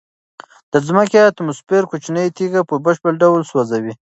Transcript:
د ځمکې اتموسفیر کوچنۍ تیږې په بشپړ ډول سوځوي.